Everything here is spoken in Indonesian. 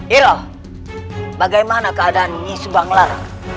iroh bagaimana keadaan nyi subanglar